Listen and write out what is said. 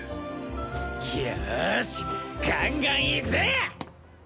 よしガンガンいくぜ！